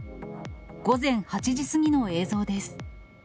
午前８時過ぎの映像です。